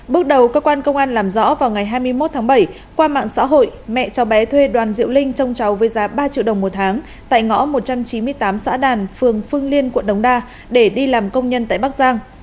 bước đầu cơ quan công an làm rõ vào ngày hai mươi một tháng bảy qua mạng xã hội mẹ cháu bé thuê đoàn diệu linh trông cháu với giá ba triệu đồng một tháng tại ngõ một trăm chín mươi tám xã đàn phường phương liên quận đống đa để đi làm công nhân tại bắc giang